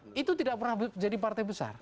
tapi itu tidak pernah menjadi partai besar